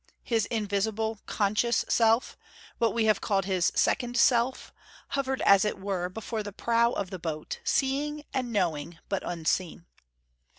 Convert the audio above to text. His invisible, conscious self, what we have called his second self, hovered as it were before the prow of the boat, seeing and knowing, but unseen.